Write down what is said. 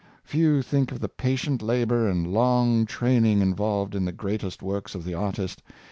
'' Few think of the patient labor and long training involved in the greatest works of the artist.